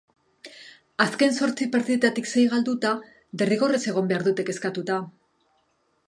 Azken zortzi partidetatik sei galduta derrigorrez egon behar dute kezkatuta.